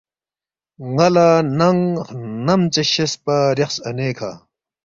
نالا نانگ خنم ژے شیس پا ریاخس اَنے کھا